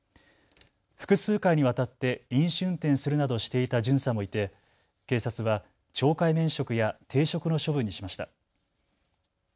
複数回にわたって飲酒運転するなどしていた巡査もいて警察は懲戒免職や停職の処分にしました。